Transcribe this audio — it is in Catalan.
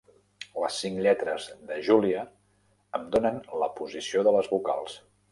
Les cinc lletres de "Julia" em donen la posició de les vocals.